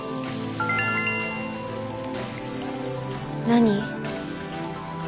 何？